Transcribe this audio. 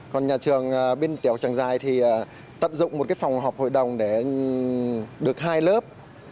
còn nhà trường bên tiểu trang dài thì tận dụng một cái phòng học hội đồng để được hai lớp